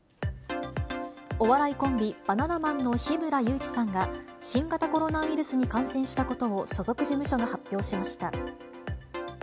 お笑いコンビ、バナナマンの日村勇紀さんが、新型コロナウイルスに感染したことを所属事務所が発表しました。